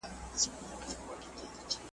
د لرګیو کار په احتیاط سره کوه.